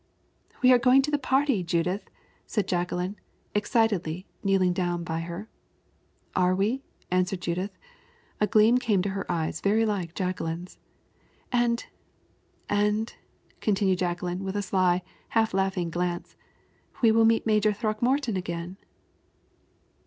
"We are going to the party, Judith," said Jacqueline, excitedly, kneeling down by her. "Are we?" answered Judith. A gleam came into her eyes very like Jacqueline's. "And and " continued Jacqueline with a sly, half laughing glance, "we will meet Major Throckmorton again."